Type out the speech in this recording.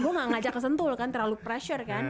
gue gak ngajak ke sentul kan terlalu pressure kan